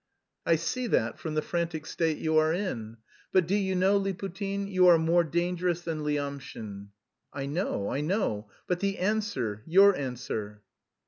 "I see that from the frantic state you are in. But do you know, Liputin, you are more dangerous than Lyamshin?" "I know, I know; but the answer, your answer!"